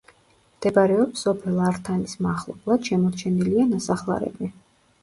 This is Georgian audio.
მდებარეობს სოფელ ართანის მახლობლად, შემორჩენილია ნასახლარები.